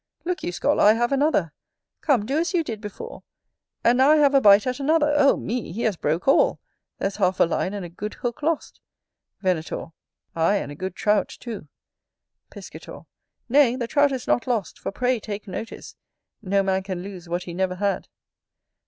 Look you, scholar, I have another. Come, do as you did before. And now I have a bite at another. Oh me! he has broke all: there's half a line and a good hook lost. Venator. Ay, and a good Trout too. Piscator. Nay, the Trout is not lost; for pray take notice, no man can lose what he never had.